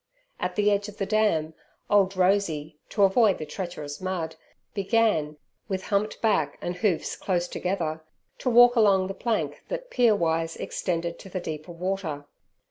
At the edge of the Dam, old Rosey, to avoid the treacherous mud, began, with humped back and hoofs close together, to walk along the plank that pier wise extended to the deeper water.